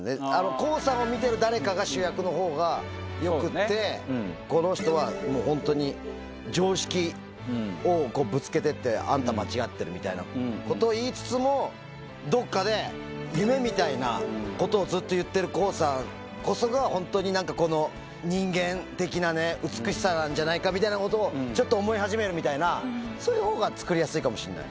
康さんを見てる誰かが誰かが主役のほうがよくて、この人はもう本当に常識をぶつけてって、あんた間違ってるみたいなことを言いつつも、どっかで、夢みたいなことをずっと言ってる康さんこそが、本当になんかこの人間的な美しさなんじゃないかみたいなことを、ちょっと思い始めるみたいな、そういうほうが作りやすいかもしれない。